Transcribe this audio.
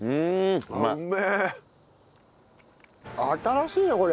新しいなこれ。